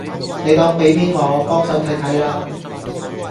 你當俾面我，幫手睇睇啦